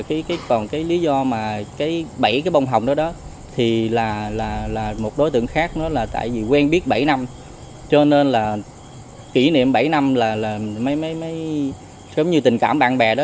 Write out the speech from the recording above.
còn cái lý do mà bảy cái bông hoa hồng đó là một đối tượng khác là tại vì quen biết bảy năm cho nên là kỷ niệm bảy năm là mấy mấy mấy tình cảm bạn bè đó